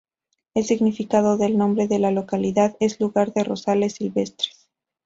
El significado del nombre de la localidad es lugar de rosales silvestres.